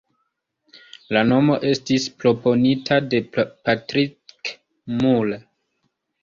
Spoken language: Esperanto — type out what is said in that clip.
La nomo estis proponita de Patrick Moore.